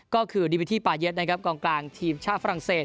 ก็คือดิบิธิปาเย็ดนะครับกองกลางทีมชาติฝรั่งเศส